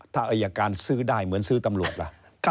ถ้าอายการซื้อได้เหมือนซื้อตำรวจล่ะ